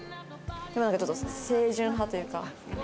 なんかちょっと清純派というか。